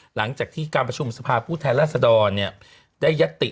หลังจากที่การประชุมสภาพผู้แทนราษฎร